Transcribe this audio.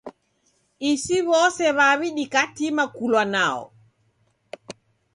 Isi w'ose w'aw' dikatima kulwa nao.